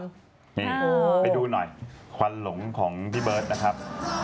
นี่ไปดูหน่อยควันหลงของพี่เบิร์ตนะครับ